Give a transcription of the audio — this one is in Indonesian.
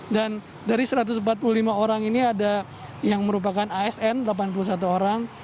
dan dari satu ratus empat puluh lima orang ini ada yang merupakan asn delapan puluh satu orang